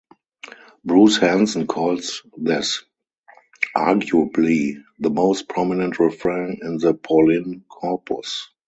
Bruce Hansen calls this "arguably the most prominent refrain in the Pauline corpus".